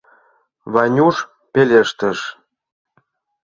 — Ванюш пелештыш.